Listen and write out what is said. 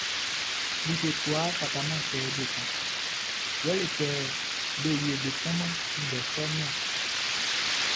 Like ngʼɔ fataman kɛ be kanʼn yɛle kɛ be yɛ be kan ndɛ sɔʼn niɔn.